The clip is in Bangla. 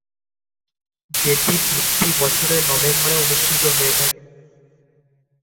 যেটি প্রতি বছরের নভেম্বরে অনুষ্ঠিত হয়ে থাকে।